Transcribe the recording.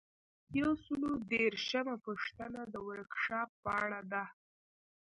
یو سل او دیرشمه پوښتنه د ورکشاپ په اړه ده.